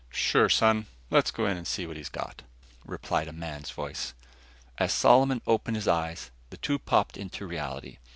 "Sure, Son, let's go in and see what he's got," replied a man's voice. As Solomon opened his eyes, the two popped into reality.